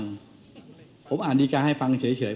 ของอ่านดิกาท่านไม่ถูกยก